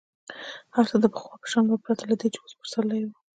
هر څه د پخوا په شان ول پرته له دې چې اوس پسرلی وو.